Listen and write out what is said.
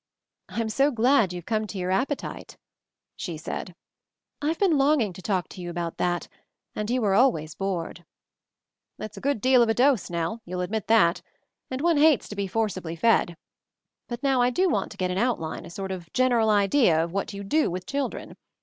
"I'm so glad you've come to your ap petite," she said. "I've been longing to talk to you about that, and you were always bored." "It's a good deal of a dose, Nell; you'll admit that. And one hates to be forcibly fed. But now I do want to get an outline, a sort of general idea, of what you do with children.